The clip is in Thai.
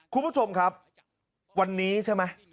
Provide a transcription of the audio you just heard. คุณผู้ชมครับวันนี้ใช่ไหม